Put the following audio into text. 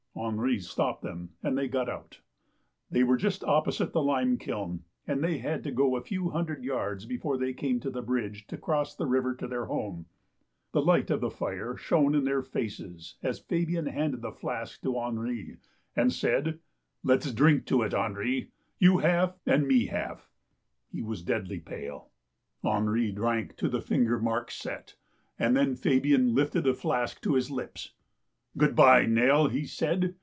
Henri stopped them and they got out. They were just opposite the lime kiln, and they had to go a few. hundred yards before they came to the bridge to cross the river to their home. The light of the fire shone in their faces as Fabian handed the flask to Henri, and said :" Let's drink to it, Henri. You half, and me half." He was deadly pale. THE STORY OF THE LIME BURNER 179 Henri drank to the finger mark set, and then Fabian lifted the flask to his hps. " Good bye, Nell !" he said.